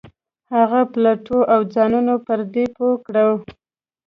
هغه وپلټو او ځانونه پر دې پوه کړو.